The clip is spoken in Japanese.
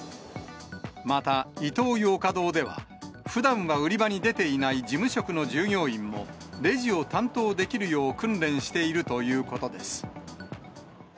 また、イトーヨーカ堂では、ふだんは売り場に出ていない事務職の従業員も、レジを担当できるよう訓練しているということです。